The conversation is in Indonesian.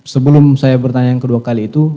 sebelum saya bertanya yang kedua kali itu